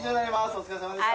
お疲れさまでした。